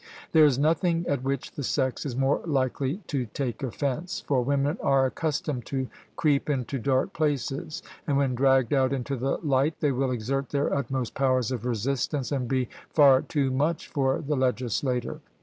There is nothing at which the sex is more likely to take offence. For women are accustomed to creep into dark places, and when dragged out into the light they will exert their utmost powers of resistance, and be far too much for the legislator.